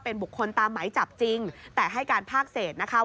เป็นบุคคลตามหมายจับจริงแต่ให้การภาคเศษนะคะ